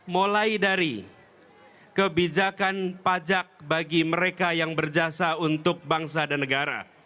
mulai dari kebijakan pajak bagi mereka yang berjasa untuk bangsa dan negara